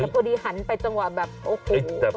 และพอดีหันไปจังหว่าโอ้โห